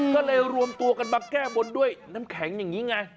ก็เลยรวมตัวกันมาแก้บนด้วยน้ำแข็งอย่างนี้ไง